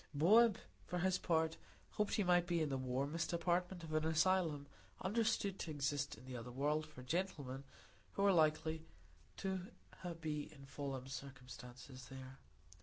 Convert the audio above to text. Bob, for his part, hoped he might be in the warmest department of an asylum understood to exist in the other world for gentlemen who are likely to be in fallen circumstances there.